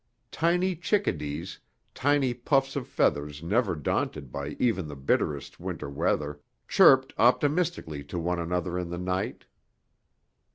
Tiny chickadees, tiny puffs of feathers never daunted by even the bitterest winter weather, chirped optimistically to one another in the night.